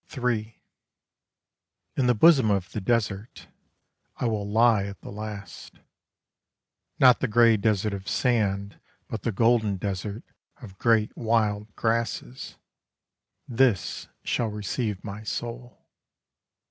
III In the bosom of the desert I will lie at the last. Not the grey desert of sand But the golden desert of great wild grasses, This shall receive my soul.